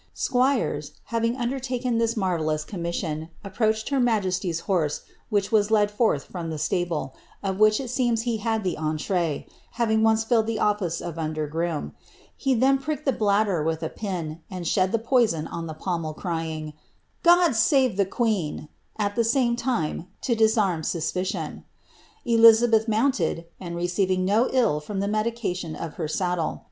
Squires, having undertaken this marvellous commission,, approached her majesty's horse when it was led forth from the stable, of which it seems he had the entr^Cy having once filled the office of under groom ; he then pricked the bladder with a pin, and shed the poison on the pommel, crying, ^ God save the queen P' at the same time, to disarm iospicion. Elizabeth mounted, and receiving no ill from the medication of her saddle.